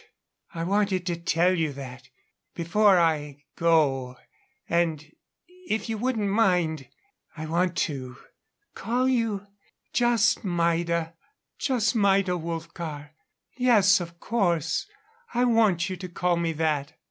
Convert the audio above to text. I wanted to tell you that before I go. And if you wouldn't mind I want to call you just Maida." "Just Maida, Wolfgar. Yes, of course, I want you to call me that."